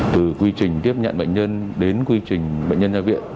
từ quy trình tiếp nhận bệnh nhân đến quy trình bệnh nhân ra viện